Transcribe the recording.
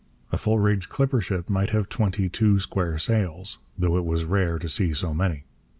A full rigged clipper ship might have twenty two square sails, though it was rare to see so many.